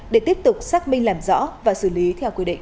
để tiếp tục xác minh làm rõ và xử lý theo quy định